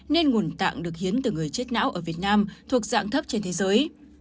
nên nguồn tạng được hiến từ người chết não ở việt nam thuộc dạng thấp trên thế giới